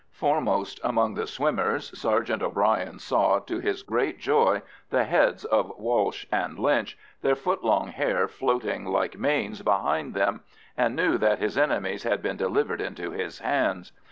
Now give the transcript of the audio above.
Foremost among the swimmers Sergeant O'Bryan saw, to his great joy, the heads of Walsh and Lynch, their foot long hair floating like manes behind them, and knew that his enemies had been delivered into his hands.